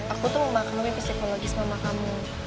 aku tuh memakai lebih psikologis mama kamu